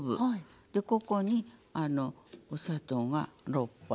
でここにお砂糖が６杯。